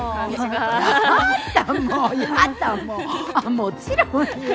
もちろんよ。